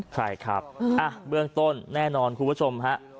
ใช่ครับเบื้องต้นแน่นอนคุณผู้ชมฮะ